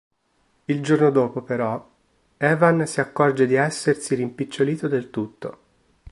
Il giorno dopo, però, Evan si accorge di essersi rimpicciolito del tutto.